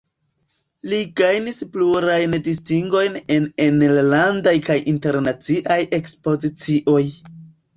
Li gajnis plurajn distingojn en enlandaj kaj internaciaj ekspozicioj.